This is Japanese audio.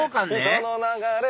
人の流れ